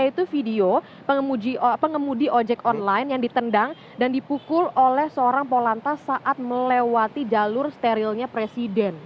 yaitu video pengemudi ojek online yang ditendang dan dipukul oleh seorang polantas saat melewati jalur sterilnya presiden